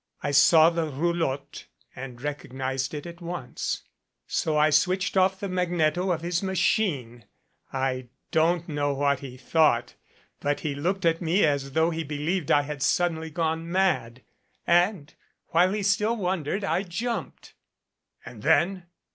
I saw the roulotte and recognized it at once. So I switched off the magneto of his machine I don't know what he thought but he looked at me as though he believed I had gone suddenly mad, and, while he still wondered, I jumped." "And then?"